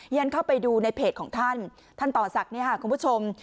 ฉันเข้าไปดูในเพจของท่านท่านต่อศักดิ์เนี่ยค่ะคุณผู้ชม